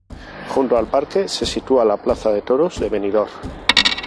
Junto al parque se sitúa la Plaza de toros de Benidorm.